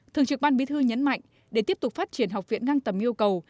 thường trực ban bí thư nhấn mạnh để tiếp tục phát triển học viện ngang tầm yêu cầu